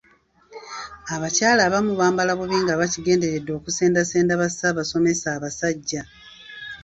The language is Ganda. Abakyala abamu bambala bubi nga bakigenderedde okusendasenda ba ssaabasomesa abasajja.